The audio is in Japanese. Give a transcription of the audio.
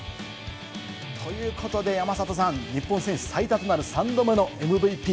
ということで、山里さん、日本選手最多となる３度目のＭＶＰ。